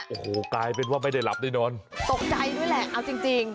โอ้โหกลายเป็นว่าไม่ได้หลับได้นอนตกใจด้วยแหละเอาจริงจริง